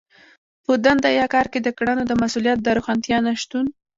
په دنده يا کار کې د کړنو د مسوليت د روښانتيا نشتون.